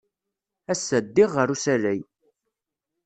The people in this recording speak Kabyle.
Ass-a, ddiɣ ɣer usalay.